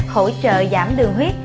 hỗ trợ giảm đường huyết